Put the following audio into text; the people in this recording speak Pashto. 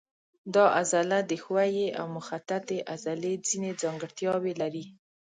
دا عضله د ښویې او مخططې عضلې ځینې ځانګړتیاوې لري.